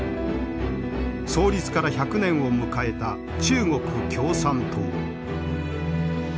創立から１００年を迎えた中国共産党。